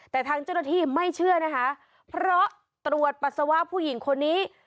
แต่ทางเจ้าหน้าที่ไม่เชื่อนะคะเพราะตรวจปัสสาวะผู้หญิงคนนี้